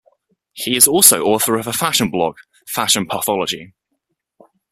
He is also author of a fashion blog, Fashion Pathology.